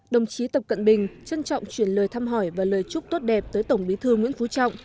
đồng chí tập cận bình trân trọng chuyển lời thăm hỏi và lời chúc tốt đẹp tới tổng bí thư nguyễn phú trọng